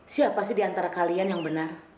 siapa di antara kalian yang benar